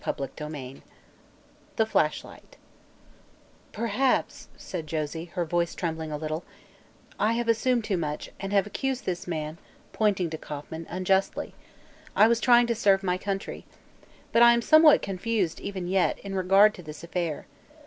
CHAPTER XXIII THE FLASHLIGHT "Perhaps," said Josie, her voice trembling a little, "I have assumed too much, and accused this man," pointing to Kauffman, "unjustly. I was trying to serve my country. But I am somewhat confused, even yet, in regard to this affair.